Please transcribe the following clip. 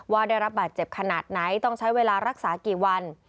ว่าได้รับบาดเจ็บขนาดไหนต้องใช้เวลารักษากี่วัน